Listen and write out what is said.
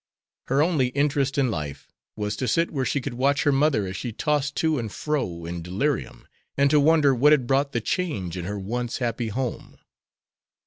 Her only interest in life was to sit where she could watch her mother as she tossed to and fro in delirium, and to wonder what had brought the change in her once happy home.